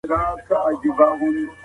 د ټولني تکامل د ودانۍ په څیر دی.